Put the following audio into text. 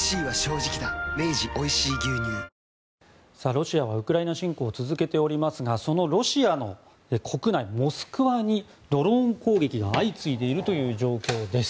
ロシアはウクライナ侵攻を続けておりますがそのロシアの国内モスクワにドローン攻撃が相次いでいるという状況です。